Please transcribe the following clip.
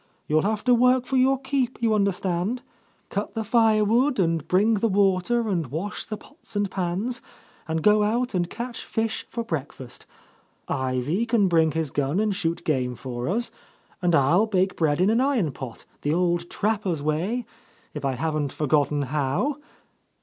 You'll have to work for your keep, you understand; cut the firewood and bring the water and wash the pots and pans, and go out and catch fish for breakfast. Ivy can bring his gun and shoot game for us, and I'll bake bread in an iron pot, the old trappers' way, if I haven't forgotten how.